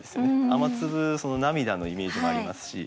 「雨粒」涙のイメージもありますし。